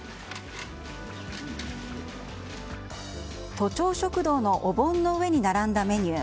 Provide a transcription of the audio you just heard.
都庁食堂のおぼんの上に並んだメニュー。